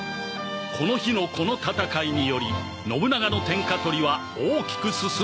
この日のこの戦いにより信長の天下取りは大きく進んだのである